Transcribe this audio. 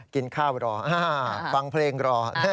กินข้าวรอฟังเพลงรอ